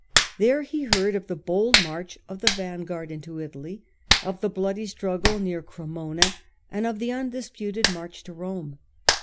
There he heard of the bold march of the van guard into Italy, of the bloody struggle near Cremona, and of the undisputed march to Rome.